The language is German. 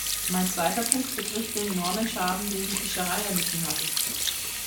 Mein zweiter Punkt betrifft den enormen Schaden, den die Fischerei erlitten hat.